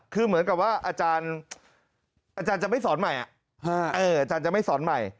คือเหมือนกับว่าอาจารย์จะไม่สอนใหม่อาจารย์จะไม่สอนใหม่